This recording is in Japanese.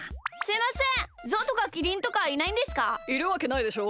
いるわけないでしょ。